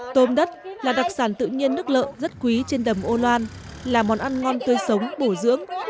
tôm đất là đặc sản tự nhiên nước lợ rất quý trên đầm âu loan là món ăn ngon tươi sống bổ dưỡng